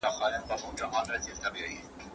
که مېلمه راشي، موږ به یې ښه هرکلی وکړو.